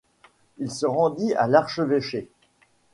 Il se rendit à l'archevêché.